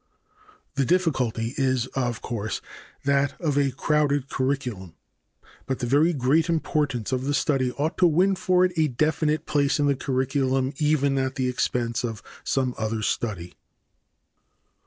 The difficulty is of course that of a crowded curriculum, but the very great importance of the study ought to win for it a definite place in the curriculum even at the expense of some other study.